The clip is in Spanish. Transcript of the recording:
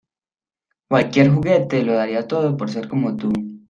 ¡ Cualquier juguete lo daría todo por ser como tú!